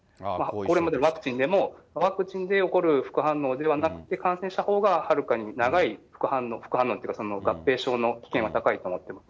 これまでワクチンでも、ワクチンで起こる副反応ではなくて、感染したほうがはるかに長い副反応、副反応というか、合併症の危険は高いと思ってます。